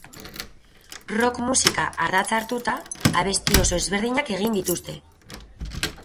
Rock musika ardatz hartuta, abesti oso ezberdinak egin dituzte.